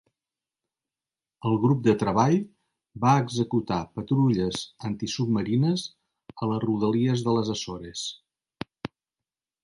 El grup de treball va executar patrulles antisubmarines a les rodalies de les Açores.